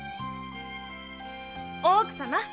大奥様。